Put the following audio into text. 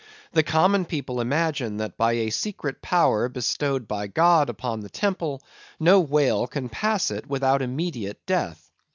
The Common People imagine, that by a secret Power bestowed by God upon the Temple, no Whale can pass it without immediate death.